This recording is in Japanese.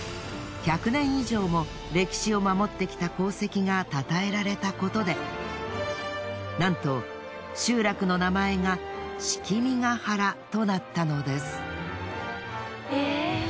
１００年以上も歴史を守ってきた功績がたたえられたことでなんと集落の名前が樒原となったのです。